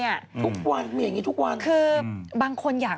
ก็จะมีหนึ่งมีสองมีอะไรอย่างนี้